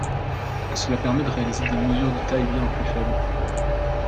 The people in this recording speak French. Cela permet de réaliser des mesures de tailles bien plus faibles.